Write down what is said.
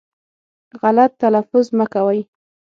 غلط تلفظ مه کوی